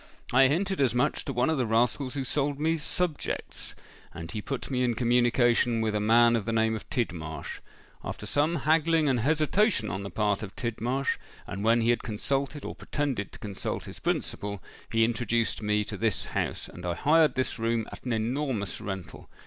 I hinted as much to one of the rascals who sold me subjects; and he put me in communication with a man of the name of Tidmarsh. After some haggling and hesitation on the part of Tidmarsh—and when he had consulted, or pretended to consult, his principal—he introduced me to this house, and I hired this room at an enormous rental.